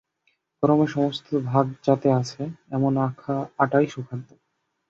গরমে সমস্ত ভাগ যাতে আছে, এমন আটাই সুখাদ্য।